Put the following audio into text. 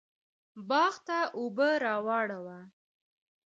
باغ ته اوبه راواړوه